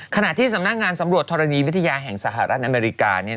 ขณะที่สำนักงานสำรวจธรณีวิทยาแห่งสหรัฐอเมริกา